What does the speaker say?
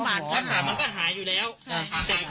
แขนสอง๕ันแต่ได้คืนละ๔มืน